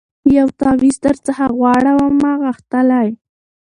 یو تعویذ درڅخه غواړمه غښتلی